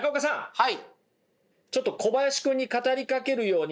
はい。